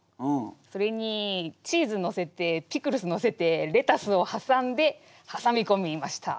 それにチーズのせてピクルスのせてレタスをはさんではさみこみました。